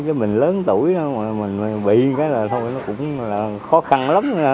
chứ mình lớn tuổi mà mình bị cái là thôi nó cũng là khó khăn lắm